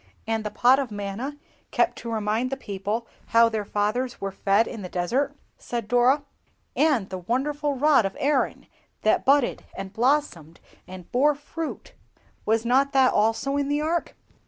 "And the Pot of Manna, kept to remind the people how their fathers were fed in the desert?" said Dora. "And the wonderful rod of Aaron, that budded, and blossomed, and bore fruit; was not that also in the Ark?"